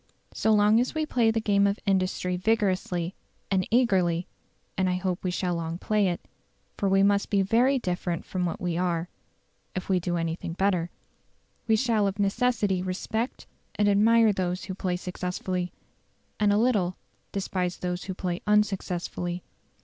So long as we play the game of industry vigorously and eagerly (and I hope we shall long play it, for we must be very different from what we are if we do anything better), we shall of necessity respect and admire those who play successfully, and a little despise those who play unsuccessfully.